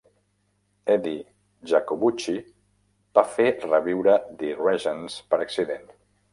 Eddie Jacobucci va fer reviure The Regents per accident.